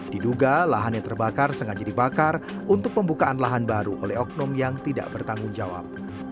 diduga lahan yang terbakar sengaja dibakar untuk pembukaan lahan baru oleh oknum yang tidak bertanggung jawab